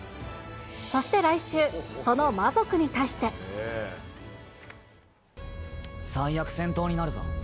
そして来週、その魔族に対し最悪、戦闘になるぞ。